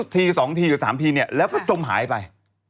ที๒๓ทีเนี่ยแล้วก็จมหายไป